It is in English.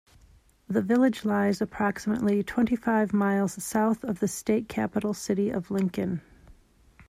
The village lies approximately twenty-five miles south of the state capital city of Lincoln.